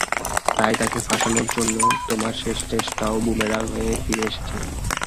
তাই তাকে ফাঁসানোর জন্য, তোমার শেষ চেষ্টাও বুমেরাং হয়ে ফিরে এসেছে।